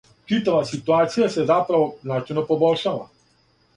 Читава ситуација се заправо значајно побољшава.